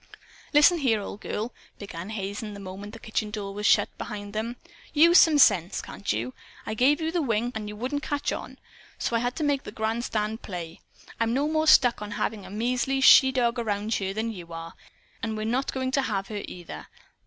"Listen here, old girl!" began Hazen the moment the kitchen door was shut behind them. "Use some sense, can't you? I gave you the wink, and you wouldn't catch on. So I had to make the grandstand play. I'm no more stuck on having a measly she dog around here than you are. And we're not going to have her, either.